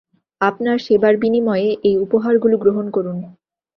আপনার সেবার বিনিময়ে, এই উপহারগুলো গ্রহণ করুন।